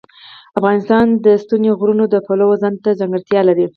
افغانستان د ستوني غرونه د پلوه ځانته ځانګړتیا لري.